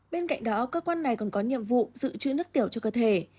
bên cạnh đó cơ quan này còn có nhiệm vụ giữ chữ nước tiểu cho cơ thể